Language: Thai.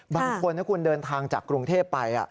บางคนถ้าคุณเดินทางจากกรุงเทพไป